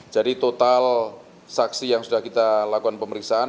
jadi total saksi yang sudah kita lakukan pemeriksaan